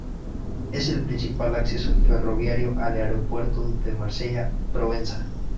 Es el principal acceso ferroviario al Aeropuerto de Marsella-Provenza.